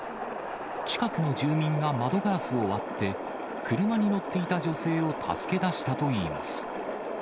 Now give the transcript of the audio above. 近くの住民が窓ガラスを割って、車に乗っていた女性を助け出したといいます。